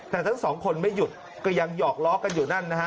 แต่ทั้งสองคนไม่หยุดก็ยังหยอกล้อกันอยู่นั่นนะฮะ